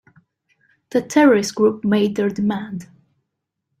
The terrorist group made their demand.